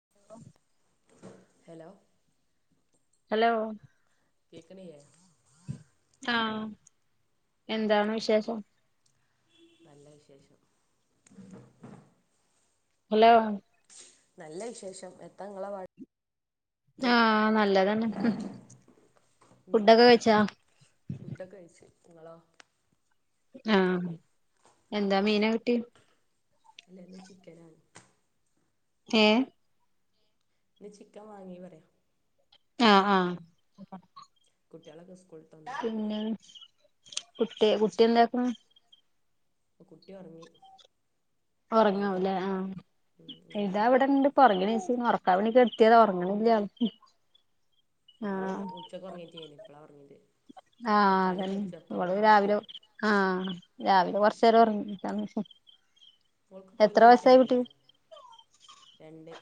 [unintelligible] Hello hello [unintelligible] ആ എന്താണ് വിശേഷം. നല്ല വിശേഷം. ഹലോ. നല്ല വിശേഷം എത്താ ഇങ്ങള പാ ആ നല്ലതന്നെ ഉം ഉം ഫുഡൊക്കെ കഴിച്ചു ഇങ്ങളോ ആ എന്താ മീനാ കിട്ടിയേ? അല്ല ഇന്ന് ചിക്കനാണ്. ഏഹ്. ഇന്ന് ചിക്കൻ വാങ്ങീ പറയാ. ആ ആ. കുട്ട്യാളൊക്കെ സകൂ പിന്നെ കുട്ടി കുട്ടി എന്താക്ക്ണ്. പ്പ കുട്ടി ഒറങ്ങി. ഒറങ്ങാവുലേ ആ ഉം ഇങ്ങൾതോ ഇതാ ഇവിടെ ഉണ്ട് ഇപ്പ ഒറങ്ങി നീച് പിന്നെ ഒറക്കാവേണ്ടി കെടത്തിയതാ ഒറങ്ങണില്ല. ഓള് ഉച്ചക്ക് ഒറങ്ങിട്ടെയില്ലെയ്നി‌ ഇപ്പളാ ഒറങ്ങീത്. ആ അതന്നെ ഓള് ഉറക്ക് രാവിലെ ആ. രാവിലെ കൊർചേരം ഒറങ്ങി എന്നിട്ടാ നീച്ചെ. ഓൾക്കിപ്പൊ ഒരു വയസായില്ലേ രണ്ട്.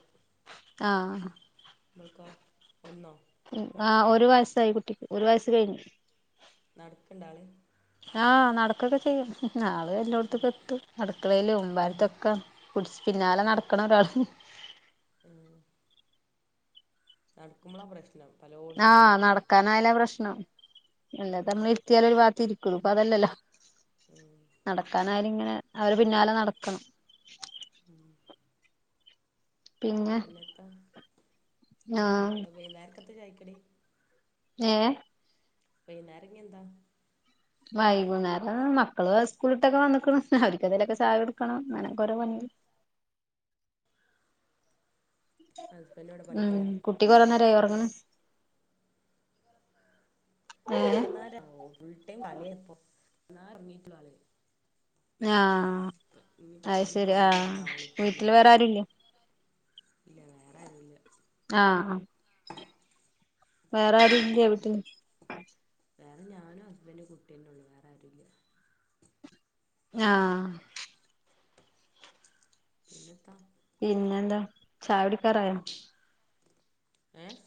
ആ. ഇവൾക്കോ ഒന്നോ. ആ ഒരു വയസ്സായി കുട്ടിക്ക് ഒരു വയസ് കഴിഞ്ഞു. നടക്ക് ഉണ്ടോ ആള്. ആ നടക്കൊക്കെ ചെയ്യും ആള് എല്ലോട്ത്തുക്കെത്തും നട അടക്കളെലും ഉമ്പാരത്തൊക്കെ പുടിച്ച് പിന്നാലെ നടക്കണം ഒരാൾ. ഏഹ്. നടക്കുമ്പോളാ പ്രശ്നം. ആ പലോടത്ത് കേറും നടക്കാനായാലാ പ്രശ്നം അല്ലാതെ നമ്മളിരുത്തിയാല് ഒരു ഭാഗത്ത് ഇരികൊള്ളു ഇപ്പൊ അതല്ലല്ലോ. ഉം നടക്കാനായാല് ഇങ്ങനെ അവര് പിന്നാലെ നടക്കണം. ഉം. പിന്നെ പിന്നെത്താ ഓ ഫുഡ് ആഹ് വൈന്നേരത്ത് എന്താ ചായക്കടി. ഏയ്. വൈന്നേരം ഇനിയെന്താ? വൈകുന്നേരം മക്കള് സ്കൂളിട്ടൊക്കെ വന്ന്ക്ക്ണ് അവർക്ക് എന്തേലൊക്കെ ചായ കൊടുക്കണം അങ്ങനെക്കെ ഓരോ പണികള്. [inaudible] ഹസ്ബൻഡ് ഇവിടെ ഉം പണിക്കോയാ കുട്ടി കൊറേ നേരായോ ഒറ ഉം. ഇല്ല ഇപ്പന്നേരെ ഫുൾ ടൈം കളിയ ഇപ്പൊ ഇപ്പന്നാരെ ഒറങ്ങീട്ടൊള്ളു ആള്. ആഹ്. ഇനി അത് ഹസ്ബൻഡ്‌ ശരി പണി കഴിഞ്ഞ് ആഹ് വന്നാ ഓള് ഇപ്പ വീട്ടില് വേറെ നീച്ചു ആരുല്ലേ ഇല്ല വേ ആഹ് ആഹ് വേറെ ആരുല്ലേ വീട്ടില്? വേറെ ഞാനും ഹസ്ബന്റും കുട്ടിയന്നെ ഉള്ളു വേറെ ആരുല്ല. ആ. പിന്നെത്താ. പിന്നെന്താ ചായ കുടിക്കറായൊ? ഏയ്.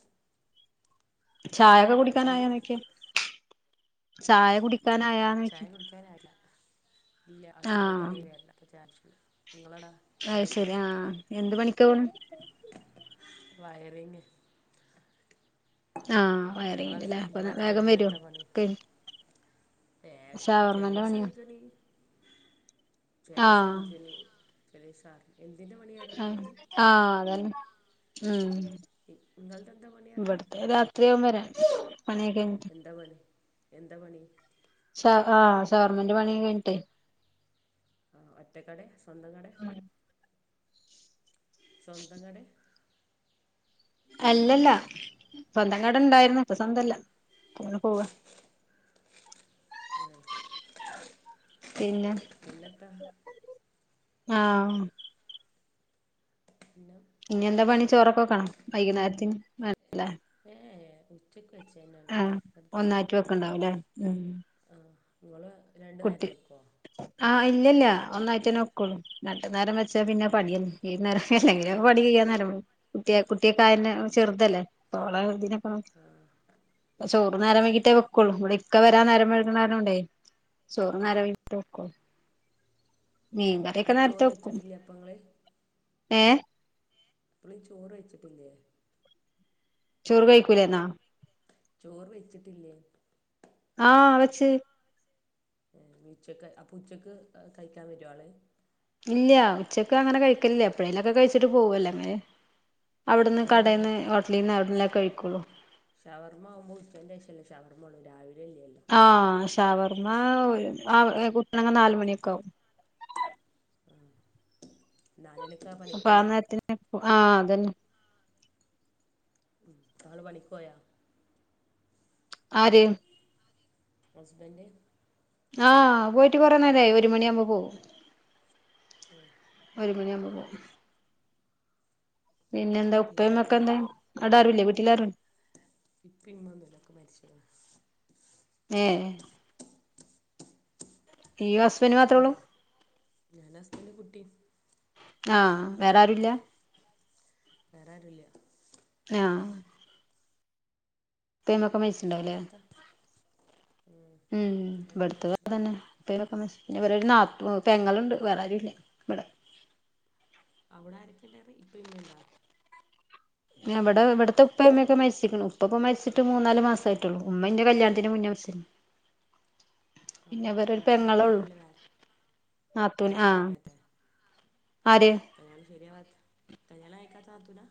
ചായൊക്കെ കുടിക്കാനായോ ന്നോയ്ക ചായ കുടിക്കാനായൊ ന്നോയ്ക്ക. ചായ കുടിക്കാനായില്ല ഇല്ല ഹസ്ബൻഡ് പണി കഴിഞ്ഞ് വരണം അപ്പൊ ചായ കുടിച്ചു. അത് ശരി ആ എന്ത് പണിക്കാ പോണ്? വയറിംങ്. ആഹ് വയറിംഗ് ഉണ്ടല്ലേ അപ്പൊ നിങ്ങളെ വേഗം ഹസ്ബൻഡിന് വരവോ? എത്താ പണി പിന്നേ ഏ ചെല സംഞ്ജന ചിലോസം ആഹ് അഞ്ച് മണിയാകും ചിലോസം ആറു മണിയാകും. ആഹ് ആഹ് അതന്നെ ഉം നിങ്ങളത് എന്താ പണിയായിരുന്നു ഇവിടുത്തെ രാത്രിയാംവര എന്താ പണി [unintelligible] എന്താ പണി സ ആ ഗവർമെന്റ് പണി കഴിഞ്ഞിട്ടെ ആ ഒറ്റക്കട സ്വന്തം കട ഉം സ്വന്തം കടെ അല്ലല്ല സ്വന്തം കട ആ ഇണ്ടായിരുന്നു ഇപ്പൊ സ്വന്തല്ല അങ്ങനെ പോവ [unintelligible] [unintelligible] പിന്നെ പിന്നെത്താ ആഹ് പിന്ന ഇന്നെഎന്താ പണി ചോറക്ക വക്കണ വൈകുന്നേരത്തിന് വേണല്ലേ ഏ [unintelligible] തന്നെ ഉണ്ട് ആഹ് അടുത്ത ചോറ ഒന്നായിട്ട് വെക്കണ്ടാവല്ലേ ഉം [inaudible] കുട്ടി വെക്കുമോ ആ ഇല്ലല്ല ഒന്നായിട്ടേവെക്കോളൂ [unintelligible] നേരം പക്ഷെ പിന്നെ പണിയന്നെ ഏത് നേരം എല്ലെങ്കിലുംക്ക പടി ചെയ്യാൻ കുട്ടിയ കുട്ടിയക്കായെ ചെറുതല്ലേ [unintelligible] ആ ചോറ് നേരം വൈകിട്ടേ വെക്കുള്ളൂ ഇവിടെ ഇക്ക വരാൻ നേരം വഴക്കണാരോണ്ടേ ആ ചോറ്നര വീട്ടക്കോ മീൻ കറിയൊക്കെ ഇപ്പോഴും നേരത്തെ ചോറ് വെക്കും വെച്ചിട്ടില്ലേ അപ്പം നിങ്ങൾ ഏ അപ്പള ചോറ് വെച്ചിട്ടില്ലേ ചോറ് കഴിക്കൂല എന്നാ ചോറ് വെച്ചിട്ടില്ലേ ആഹ് വച്ചു ഏ പീച്ചക്ക് ആപ്പുച്ചക്ക് കഴിക്കാൻ വരു ആള് ഇല്ല ഉച്ചക്ക് അങ്ങനെ കഴിക്കലില്ല എപ്പഴേലുംക്കെ കഴിച്ചിട്ട് പോവല്ലോ അങ്ങനെ അവിടുന്ന് അതാ ഞാൻ കടയിൽന്ന് പറഞ്ഞത് ഹോട്ടലിൽന്ന് അവിടന്നേക്ക കഴിക്കുള്ളു [unintelligible] രാവിലെല്ല ആഹ് ശവർമ്മ ആ കുട്ടണങ്ങ നാലുമണിയൊക്കെ ആകും [unintelligible] നാല് മണിക്കാ അപ്പൊ ആ പണിക്കോല് നേരത്തിന് ആഹ് അതന്നെ [unintelligible] ആര് ഹസ്ബൻ്റ്റ് ആഹ് പോയിട്ട് കൊറേ നേരായി ഒരു മണിവുമ്പോ പോകും ഉം ഒരു മണിയാവുമ്പൊപോകും പിന്നെ എന്താ ഉപ്പേമൊക്കെ എന്താ അട അരുവില്ലേ വീട്ടിൽ അരൂ ഇപ്പ ഇന്നൊന്നുമല്ലക്കെ [unintelligible] ഏ [unintelligible] [unintelligible] കുട്ടി ആഹ് വേറെ ആരുല്ല വേറെ ആരുംല്ല ആഹ് പ്പേം മ്മേക്കെ മരിച്ചിട്ണ്ടാവില്ലേ പിന്നെത്താ ഉം ഓലൊക്കെ ഇവിടുത്ത മരിച്ച്ക്ക്ണ് തന്നെ [unintelligible] പെങ്ങളുണ്ട് വേറെരുല്ല്യ ഇവിടെ അവിടെ ആരക്കണ്ടറ ഇപ്പ ഇമ്മേ ഇണ്ടാ ഇവിടെ ഇവിടത്തെ ഉപ്പമ്മയക്കെ മരിച്ച്ക്ക്ണ് ഉപ്പ പ്പ മരിച്ചിട്ട് മൂന്നാല്മാസയിട്ടുള്ളു ഉമ്മന്റെ കല്യാത്തിന് മുന്നേ [unintelligible] [unintelligible] പിന്നെ ആഹ് ഇവരെ ഒരു ഇനിയിപ്പോ പെങ്ങളുള്ളു ആരുല്ല വേറെ നത്തൂന് ആഹ് ആര് കല്യാണ ശരയാവത്ത കല്യാണം കയ്ക്കാത്ത നാത്തൂനാ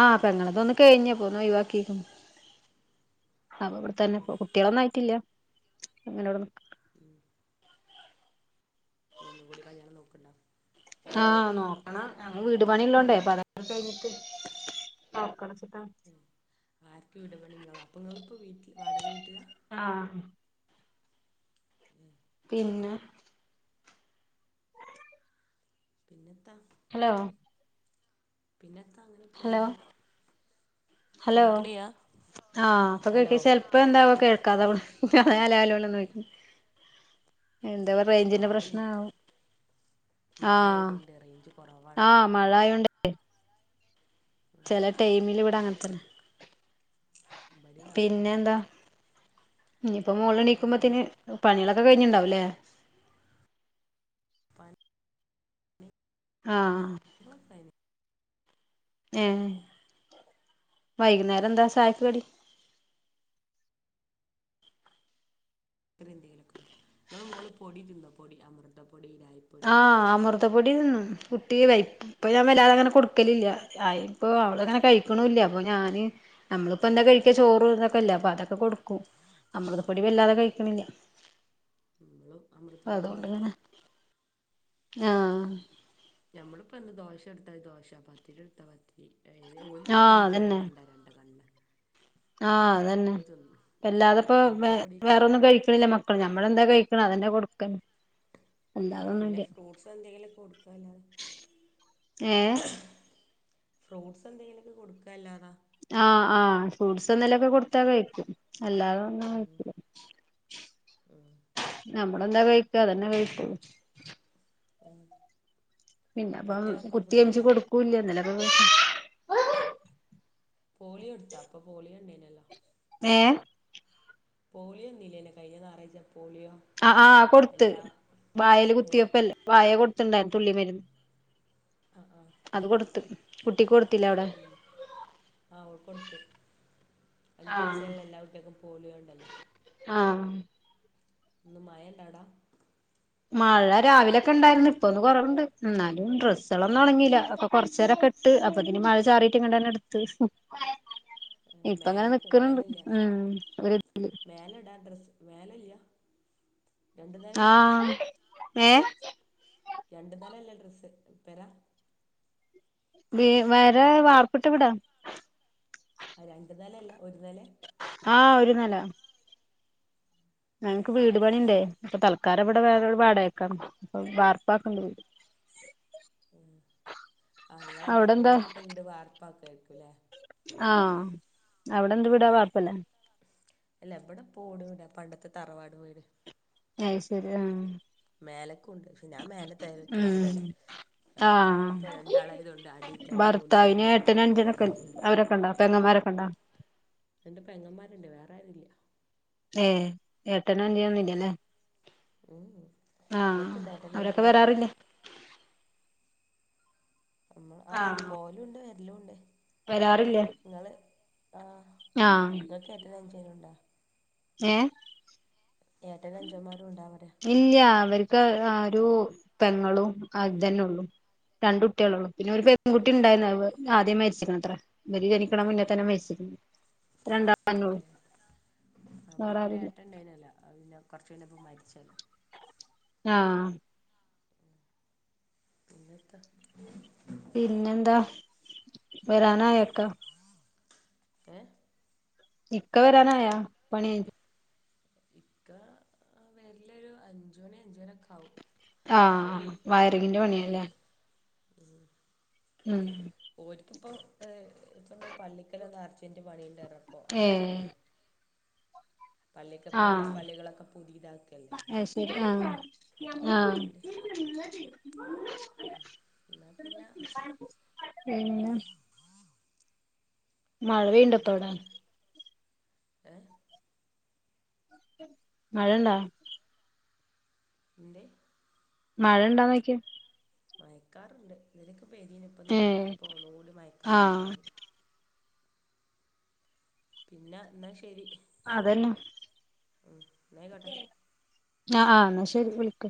ആഹ് പെങ്ങളെതൊന്ന് കഴിഞ്ഞ് പോന്ന ഒഴിവാക്കിക്കുന്നു അപ്പ ഇവിടെ തന്നെ കുട്ടികളൊന്നും ആയിട്ടില്ല അങ്ങനവിടെ നി ഉം ഇനി ഒന്നും കൂടി കല്യാണം നോക്കണ്ടോ ആഹ് നോക്കണം ഞങ്ങ വീട് പണിള്ളോണ്ടേ അപ്പ അതോക്കെ കഴിഞ്ഞിട്ട് നോക്കണച്ചിട്ടാ ആർക്ക് വിട് പണിങ്ങളോ അപ്പൊങ്ങിളിപ്പോ വീട്ടിൽ വാടക വീട്ടിലാ ആഹ് പിന്നെ പിന്നെന്താ ഹലോ പിന്നെത്താ അങ്ങനെ ഹലോ പോണ് ഹലോ കേക്കണിയാ ആഹ് പ്പ ഹലോ കേൾക്കാ ചെൽപ്പ എന്താവാ കേൾക്കാത ആവ ഞാൻ ഹലോ ലോ വെക്കും എന്താവാ റേഞ്ചിന്റെ പ്രശ്നാവും ആഹ് മായായതൊണ്ട് റേഞ്ച് കൊറവാണ് ആഹ് [unintelligible] ചെല ടൈമില് ഇവിടാ അങ്ങനത്തന്നെ ഇബടേം പിന്നെ കണക്കാണ് എന്താ ഇനിയിപ്പോ പിന്നെത്താ അങ്ങനെ പോണ് മോളേണീക്കുമ്പത്തിന് പണികളൊ ഒക്കെ കഴിഞ്ഞിണ്ടാവല്ലേ ആ പണികളൊക്കെ ഏഹ് വൈകുന്നേരം എന്താ സായക്ക് കടി അത് എന്തേലോക്കെ നിങ്ങള് മോള് പൊടി തിന്നോ പൊടി അമൃത ആഹ് അമൃതപ്പൊടി തിന്നും കുട്ടി വൈ ഇപ്പൊ ഞാൻ വല്ലാതെ അങ്ങനെ കൊടുക്കലില്ല അ ഇപ്പൊ അവളിങ്ങനെ കഴിക്കണുല്ല അപ്പൊ ഞാന് നമ്മളിപ്പോ എന്താ കഴിക്ക ചോറ് ഇതൊക്കെല്ലേ അപ്പൊ അതൊക്കെ കൊടുക്കും അമൃതപൊടി വല്ലാതെ കഴിക്കണില്ല നമ്മളും അമൃതപ്പൊടി അതുകൊണ്ട്ങ്ങനെ നിർത്തി ആഹ് ഞമ്മളിപ്പന്ന് ദോശ എടുത്താ ദോശ പാത്തിരിട്ടാ പത്തി ഈപ്പ അയ്‌ന് ഓൽക്ക് വേണ്ടി ആഹ് ഒരു ചെറിയ അതന്നെ കണ്ടാലണ്ട കണ്ട ആഹ് അതന്നെ ഇപ്പ ഇല്ലാതെപ്പോ വെ അമൃതപ്പൊടി വേറൊന്നും കഴിക്കണില്ല മക്ക ഞമ്മളെന്താ കഴിക്കണം അതന്നെ കൊടുക്കണ് ഉം പിന്നെ ഫ്രൂട്ട്സ് എന്തേലും കൊടുക്കല്ലോ ഏഹ് ഫ്രൂട്ട്സ് എന്തെങ്കിലുമൊക്കെ കൊടുക്കാല്ലാതാ ആഹ് ആ ഫ്രൂട്ട്സെന്തേലൊക്കെ കൊടുത്താ കഴിക്കും എല്ലാരും ഒന്നും കഴിക്കുല നമ്മളെന്താ കഴിക്ക അതന്നെ കഴിക്കുള്ളു ഉം പിന്നെ അപ്പം മറ്റേ മക്കള് കുത്തി ഫുഡ് കനിച്ചു കഴിക്കാൻ കൊടുക്കൂല്ലന്നപ്പ എന്തെലോ പോളിയോ എടുത്താ അപ്പൊ പോളി ഉണ്ടേയ്നല്ലോ ഏ പോളിയോന്നീല്ലെനോ കയിഞ്ഞാനാറായിച്ച ആ ആ അഅ് കൊടുത്ത് വായില് ഏ കുത്തിവെപ്പല്ലെ. വായേ കൊടുത്ത്ണ്ടായിരുന്നു തുള്ളി മരുന്ന്. ആ അത് കൊടുത്ത്, കുട്ടിക്ക് കൊടു ആഹ് ഓൾക്കൊട്ത്ത്. അഞ്ചു ആഹ് വയസ്സായ എല്ലാ കുട്ട്യാൾക്കും പോളിയോ ഒണ്ടല്ലോ. ആഹ് ഇന്നു മഴെല്ലടാ? മഴ രാവിലെക്കെണ്ടായിരുന്നു ഇപ്പൊന്ന് കുറവുണ്ട്. ന്നാലും ഡ്രസ്സാളൊന്നും ഒണങ്ങില്ല ഒക്കെ കുറച്ചേരൊക്ക്ട്ട് അപ്പൊത്തിന് മഴ ചാറീട്ട് ഇങ്ങട്ടെന്നെ ഇടുത്ത്. അവിടെ ഇപ്പങ്ങനെ മേലക്ക് നിക്ക്ണ്ട് മേലില്ല ഉ ഒരുതീല്. മേലല്ല? ആഹ ഏ? രണ്ടു നില അല്ലേ ഡ്രെസ്സ് പെരാ? വേ വര വാർപ്പിട്ടവിടാ. അഅ് രണ്ടു നെലല്ല ഒരു നെലെ? നെല ഞങ്ങക്ക് വീട് പണിണ്ടേ പ്പ തൽക്കാര ഇവിടെ വേറെര് വാടയ്ക്കാണ് പ്പൊ വാർപ്പാക്ക്ണ്ട് വീട്. [inaudible] ആ അങ്ങളെ പ്പ അവിടെ എന്താ ഓടിട്ട വീട് വാർപ്പാക്കായിരിക്കൂല്ലേ? ആഹ് അവിടെ എന്ത് വിടാ വാർപ്പല്ലേ? അല്ല ഇവിടെപോട് വീടാ പണ്ടത്തെ തറവാട് വീട്. അയ് ശരി ആഹ. മേലക്കുണ്ട് ശേ ഞാൻ മേല ത തോരടല്. നമ്മുക്ക് ആഹ ആകെപ്പോ രണ്ടാളായത് കൊണ്ട് അടിയിൽ തന്നെ മൂന്ന് ഭർത്താവിന് റൂമുണ്ട് ഏട്ടനഞ്ചനക്കെ അവരൊക്കെ ഉണ്ടോ? പെങ്ങമാരക്കുണ്ടോ? രണ്ട് പെങ്ങന്മാരുണ്ട് വേറെ ആരുല്ല. ഏ ഏട്ടനനിയനൊന്നുല്ലല്ലേ? ഉം അ് ഇങ്ങക്കുണ്ടോ അവരൊക്കെ ഏട്ടനഞ്ചനും? വരാറില്ലേ നമ്മ ആ ആഹ് പോലുണ്ട് വര്‌ലൂണ്ട്. വരാറില്ലേ? ആ ആഹ് ഇങ്ങക്ക് ഏട്ടനഞ്ചനുണ്ടോ? ഏ ഏട്ടനും അനുജന്മാരും ഉണ്ടാ പറയാ ഇല്ലാ അവർക്ക് ക്കെ ആ ഒരു പെങ്ങളും അതന്നെ ഉള്ളു. രണ്ടു കുട്ട്യാളൊള്ളു പിന്നെ ഒരു പെൺകുട്ടി ഉണ്ടായിരുന്നു അത് ആദ്യേ മരിച്ച്ക്ണത്ര. ഇവര് ജനിക്കണ മുന്നേതന്നെ മരിച്ച് രണ്ടാ ഏ അവൊൽക്കൊരു വേറാരുല്ല ഏട്ടണ്ടായിനല്ലോ അത് പിന്നെ കൊറച്ചഴിഞ്ഞപ്പം മരിച്ചല്ലോ. ആഹ പിന്നെത്ത? പിന്നെന്താ വരാനായൊക്കെ? ഏ ഇക്ക വരാനായോ പണിയ്ത്? ഇക്ക വെര്ല്ലൊരു അഞ്ചൊണി അഞ്ചരക്കാവും. ആഹ വയറിങ്ങിന്റെ പണിയല്ലേ? ഉം ഉം പ്പൊ ഇപ്പെന്താ പള്ളിക്കലെന്താ അർജന്റ് പണിണ്ടാർഞ്ഞ്പ്പൊ അവ് അവ്ടെണ്. ഏഹ് പള്ളിക്ക്പ്പെല്ലാ ആഹ് പള്ളികളൊക്കെ പുതീതാക്കല്ലേ അത് ശരി ആഹ് അപ്പൊ അവ്ടെ ആഹ് പണീണ്ട്. [unintelligible] എന്നാ പിന്നെ [unintelligible] പിന്നെ? മഴ പെയ്ണ്ട്പ്പെഅവിടെ? പിന്നത്തൊക്കെ ഏ മഴണ്ടാ [unintelligible] മഴ ഇൻഡോനോക്കിയ മയക്കാറുണ്ട് ഇലൊക്കെ പേദീന ഇപ്പ ഏ നിന്നു പോന്ന കൂടി മയക്കാറ് ആഹ് വരലോട പിന്നെ എന്നാശെരി അതന്നാ ഉം നായ്ക്കോട്ടെ ആഹ ആ് എന്നാ ശെരി വിളിക്ക്